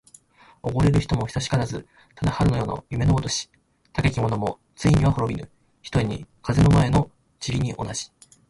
おごれる人も久しからず。ただ春の夜の夢のごとし。たけき者もついには滅びぬ、ひとえに風の前の塵に同じ。